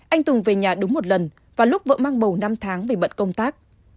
anh tùng về nhà đúng một lần và lúc vợ mang bầu năm tháng vì bận công tác